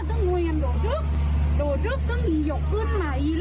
เออนะ